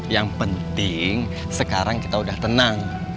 yang penting sekarang kita udah tenang